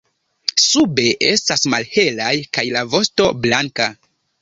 Sube estas malhelaj kaj la vosto blanka.